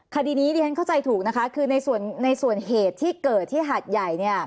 คดีนี้ดิฉันเข้าใจถูกนะคะคือในส่วนเหตุที่เกิดที่หาดใหญ่